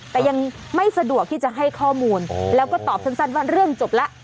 แต่ยังไม่สะดวกที่จะให้ข้อมูลแล้วก็ตอบสั้นว่าเรื่องจบแล้ว